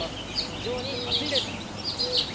非常に暑いです。